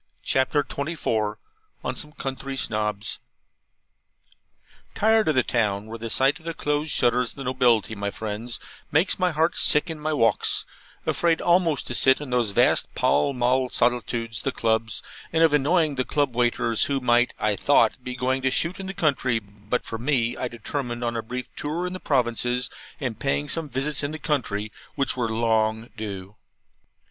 CHAPTER XXIV ON SOME COUNTRY SNOBS Tired of the town, where the sight of the closed shutters of the nobility, my friends, makes my heart sick in my walks; afraid almost to sit in those vast Pall Mall solitudes, the Clubs, and of annoying the Club waiters, who might, I thought, be going to shoot in the country, but for me, I determined on a brief tour in the provinces, and paying some visits in the country which were long due.